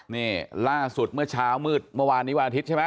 นี่ล่าสุดเมื่อเช้ามืดเมื่อวานนี้วันอาทิตย์ใช่ไหม